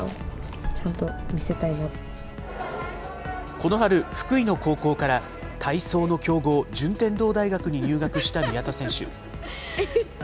この春、福井の高校から体操の強豪、順天堂大学に入学した宮田選手。